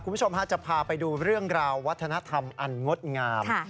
คุณผู้ชมจะพาไปดูเรื่องราววัฒนธรรมอันงดงาม